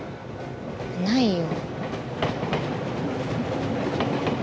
ないよ。